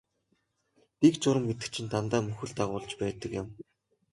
Дэг журам гэдэг чинь дандаа мөхөл дагуулж байдаг юм.